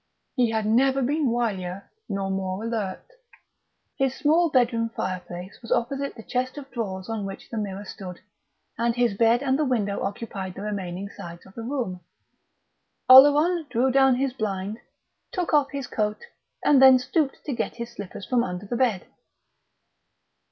He had never been wilier nor more alert. His small bedroom fireplace was opposite the chest of drawers on which the mirror stood, and his bed and the window occupied the remaining sides of the room. Oleron drew down his blind, took off his coat, and then stooped to get his slippers from under the bed.